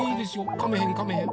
かめへんかめへん。